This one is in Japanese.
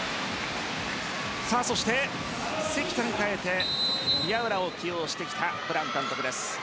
そして関田に代えて宮浦を起用してきたブラン監督です。